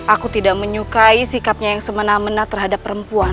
aku tidak menyukai sikapnya yang semena mena terhadap perempuan